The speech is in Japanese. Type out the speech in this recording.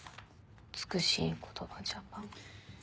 美しい言葉ジャパン。